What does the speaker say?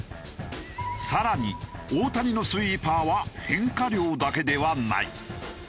更に大谷のスイーパーは変化量だけではない。